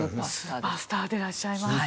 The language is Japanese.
スーパースターでいらっしゃいます。